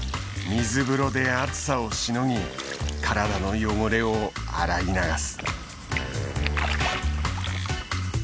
水風呂で暑さをしのぎ体の汚れを洗い流す。